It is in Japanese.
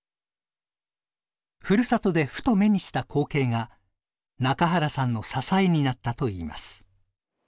ふるさとでふと目にした光景が中原さんの支えになったといいます。